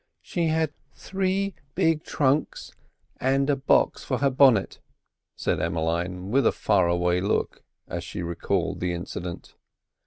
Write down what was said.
"She had three big trunks and a box for her bonnet," said Emmeline, with a far away look as she recalled the incident.